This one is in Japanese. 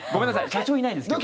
社長いないんですよ。